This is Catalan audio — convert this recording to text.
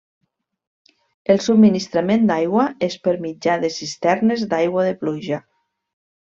El subministrament d'aigua és per mitjà de cisternes d'aigua de pluja.